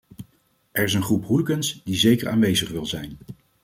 Er is een groep hooligans die zeker aanwezig wil zijn.